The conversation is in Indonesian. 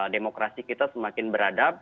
demokrasi kita semakin beradab